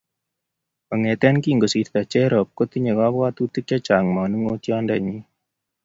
Kong'ete ye kingosirto Jerop kotinye kabwatutik chechang' manung'otyondennyi.